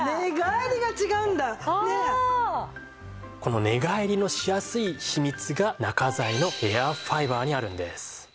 この寝返りのしやすい秘密が中材のエアファイバーにあるんです。